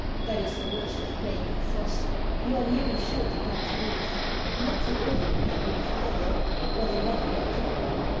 That is the worst of playing in a frost; you are nearly sure to come to grief. Not to ordinary grief, either, but a regular cracker.